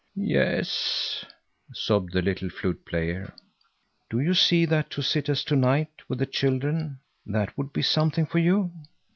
"Yes," sobbed the little flute player. "Do you see that to sit as to night with the children, that would be something for you?